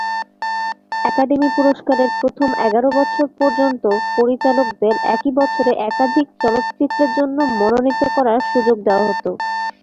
Academy পুরস্কারের প্রথম এগারো বছর পর্যন্ত, পরিচালকদের একই বছরে একাধিক চলচ্চিত্রের জন্য মনোনীত করার সুযোগ দেওয়া হতো।